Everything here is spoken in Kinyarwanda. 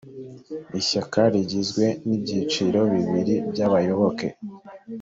ishyaka rigizwe n ibyiciro bibiri by abayoboke